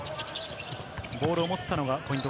ボールを持ったのがポイント